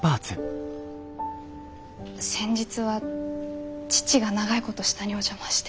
先日は父が長いこと下にお邪魔して。